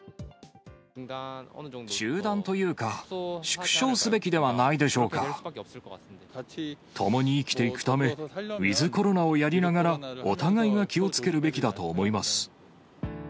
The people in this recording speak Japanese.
中断というか、共に生きていくため、ウィズコロナをやりながら、お互いが気をつけるべきだと思います。